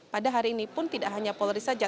pada hari ini pun tidak hanya polri saja